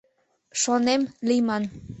Шонем: лийман